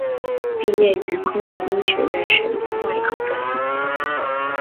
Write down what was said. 毕业于昆明医学院神经外科专业。